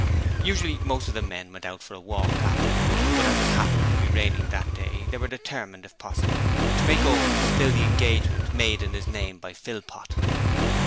Usually most of the men went out for a walk after dinner, but as it happened to be raining that day they were determined, if possible, to make Owen fulfill the engagement made in his name by Philpot.